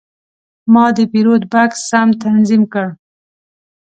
ما د پیرود بکس سم تنظیم کړ.